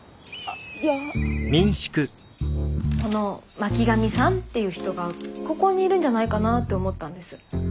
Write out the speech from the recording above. この巻上さんっていう人がここにいるんじゃないかなって思ったんです。